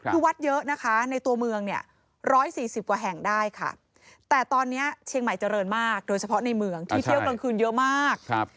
คือวัดเยอะนะคะในตัวเมืองเนี่ย๑๔๐กว่าแห่งได้ค่ะแต่ตอนนี้เชียงใหม่เจริญมากโดยเฉพาะในเมืองที่เที่ยวกลางคืนเยอะมาก